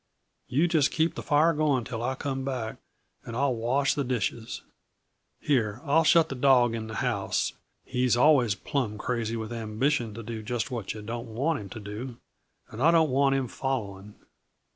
"You just keep the fire going till I come back, and I'll wash the dishes. Here, I'll shut the dawg in the house; he's always plumb crazy with ambition to do just what yuh don't want him to do, and I don't want him following."